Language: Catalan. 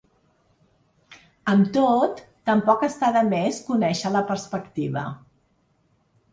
Amb tot, tampoc està de més conèixer la perspectiva.